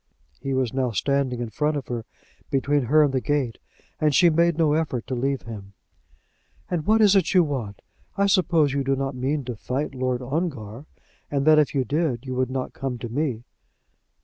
He was now standing in front of her, between her and the gate, and she made no effort to leave him. "And what is it you want? I suppose you do not mean to fight Lord Ongar, and that if you did you would not come to me."